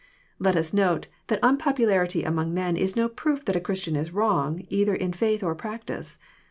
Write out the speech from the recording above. Let us note, that unpopularity among men is no proof that a Christian is wrong, either in faith or practice.